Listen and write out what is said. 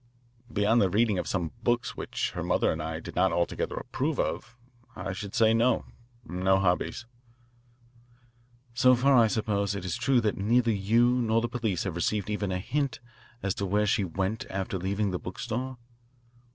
"Beyond the reading of some books which her mother and I did not altogether approve of, I should say no no hobbies." "So far, I suppose, it is true that neither you nor the police have received even a hint as to where she went after leaving the book store?"